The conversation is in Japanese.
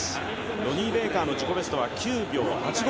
ロニー・ベイカーのベストは９秒８５。